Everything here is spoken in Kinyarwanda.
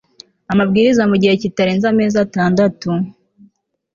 amabwiriza mu gihe kitarenze amezi atandatu